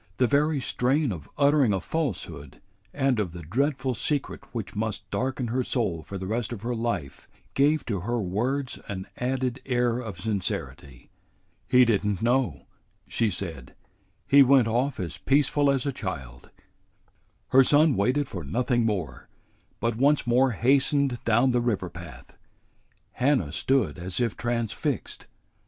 The very strain of uttering a falsehood and of the dreadful secret which must darken her soul for the rest of her life gave to her words an added air of sincerity. "He did n't know," she said. "He went off as peaceful as a child." Her son waited for nothing more, but once more hastened down the river path. Hannah stood as if transfixed.